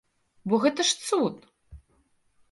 Бо гэта ж цуд!